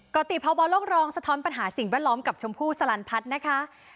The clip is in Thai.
กรติภาวะโลกรองสะท้อนปัญหาสิ่งแวดล้อมกับชมพู่สลันพัฒน์นะคะ